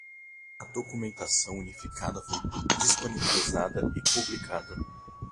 A documentação unificada foi disponibilizada e publicada